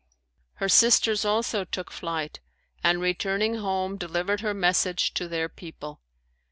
Her sisters also took flight and returning home delivered her message to their people.